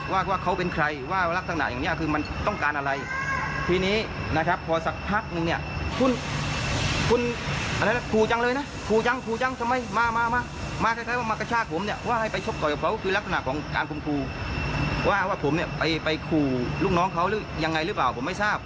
ว่าว่าผมเนี่ยไปไปคู่ลูกน้องเขายังไงหรือเปล่าผมไม่ทราบ